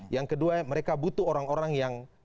yang kedua mereka butuh orang orang yang